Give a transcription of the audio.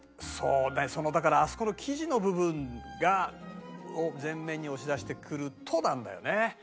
そうねだからあそこの生地の部分を前面に押し出してくるとなんだよね。